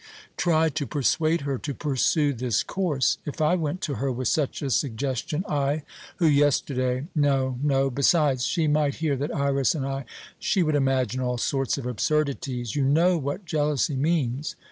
Try to persuade her to pursue this course. If I went to her with such a suggestion, I, who yesterday No, no! Besides, she might hear that Iras and I She would imagine all sorts of absurdities. You know what jealousy means.